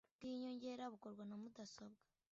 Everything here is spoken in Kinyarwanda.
bw inyongera bukorwa na mudasobwa